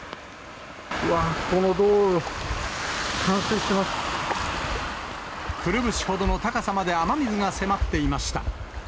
うわっ、この道路、冠水してくるぶしほどの高さまで雨水が迫っていました。